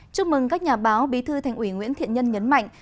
chúc mừng các nhà báo bí thư thành ủy nguyễn thiện nhân nhấn mạnh